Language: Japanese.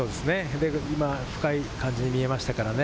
今、深い感じに見えましたからね。